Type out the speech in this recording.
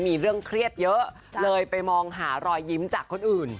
มีเรื่องเครียดเยอะเลยไปมองหารอยยิ้มจากคนอื่น